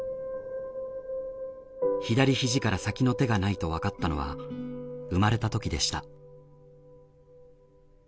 左ひじから先の手がないとわかったのは生まれたときでした。